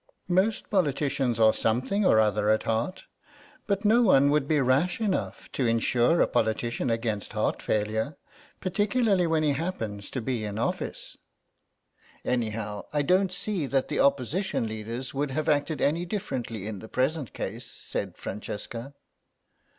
"Most politicians are something or other at heart, but no one would be rash enough to insure a politician against heart failure. Particularly when he happens to be in office." "Anyhow, I don't see that the Opposition leaders would have acted any differently in the present case," said Francesca.